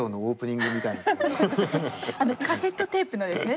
カセットテープのですね